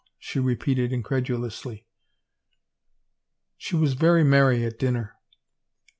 " she repeated incredulously. She was very merry at dinner.